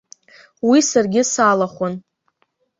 Уи саргьы салахәын.